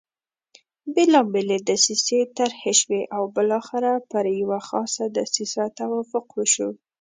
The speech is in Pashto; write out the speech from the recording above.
بېلابېلې دسیسې طرح شوې او بالاخره پر یوه خاصه دسیسه توافق وشو.